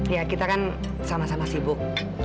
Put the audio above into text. ya kita kan sama sama sibuk